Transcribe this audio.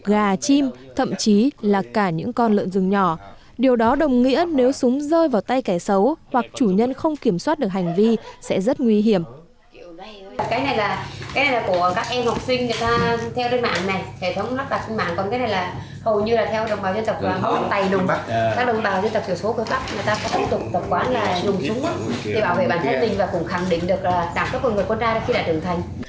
người ta có tập quán là dùng chúng để bảo vệ bản thân tình và cũng khẳng định được đảm cấp của người quân ra khi đã trưởng thành